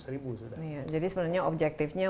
seribu ribu jadi sebenarnya objektifnya